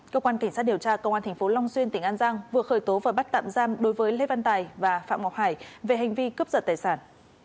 cơ quan cảnh sát điều tra công an tp long xuyên tỉnh an giang vừa khởi tố và bắt tạm giam đối với lê văn tài và phạm ngọc hải về hành vi cướp giật tài sản